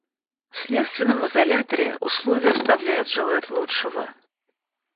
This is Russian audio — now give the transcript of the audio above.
В следственном изоляторе условия оставляют желать лучшего.